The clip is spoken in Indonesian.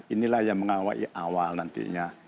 inilah yang mengawal awal nantinya